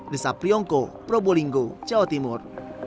desa priyongko probolinggo jawa timur